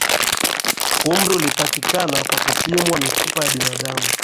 umri ulipatikana kwa kupimwa mifupa ya binadamu